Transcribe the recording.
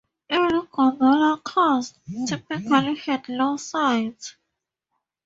Early gondola cars typically had low sides.